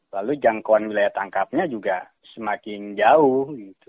lalu jangkauan wilayah tangkapnya juga semakin jauh gitu